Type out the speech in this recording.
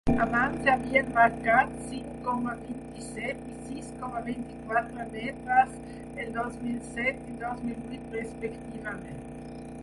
Abans havien marcat cinc coma vint-i-set i sis coma vint-i-quatre metres el dos mil set i dos mil vuit respectivament.